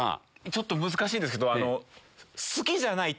ちょっと難しいですけど。